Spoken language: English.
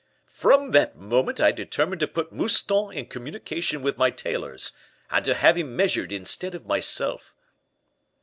"From that moment I determined to put Mouston in communication with my tailors, and to have him measured instead of myself."